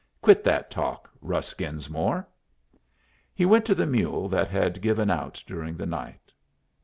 Quit that talk, Russ Genesmere." He went to the mule that had given out during the night.